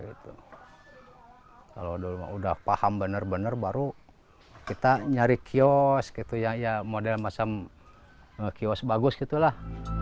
itu kalau dulu udah paham bener bener baru kita nyari kiosk itu ya model masam kiosk bagus gitulah